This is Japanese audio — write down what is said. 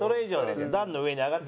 段の上に上がって。